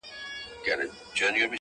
د مرور روح د پخلا وجود کانې دي ته،